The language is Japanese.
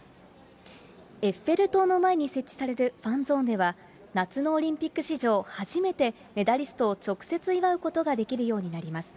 エッフェル塔の前に設置されるファンゾーンでは、夏のオリンピック史上初めて、メダリストを直接祝うことができるようになります。